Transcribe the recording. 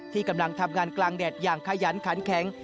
กำลังทำงานกลางแดดอย่างขยันขันแข็ง